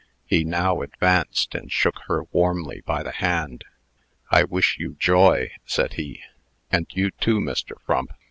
He now advanced, and shook her warmly by the hand. "I wish you joy," said he. "And you too, Mr. Frump.